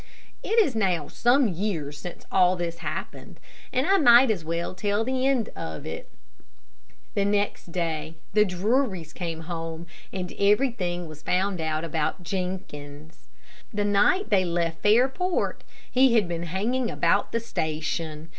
It is now some years since all this happened, and I might as well tell the end of it. The next day the Drurys came home, and everything was found out about Jenkins. The night they left Fairport he had been hanging about the station.